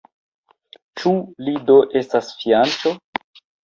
Ĉu li do estas fianĉo?